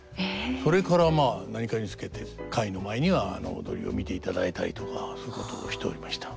それからまあ何かにつけて会の前には踊りを見ていただいたりとかそういうことをしておりました。